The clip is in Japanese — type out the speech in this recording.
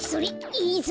いいぞ。